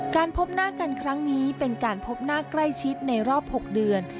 พบหน้ากันครั้งนี้เป็นการพบหน้าใกล้ชิดในรอบ๖เดือน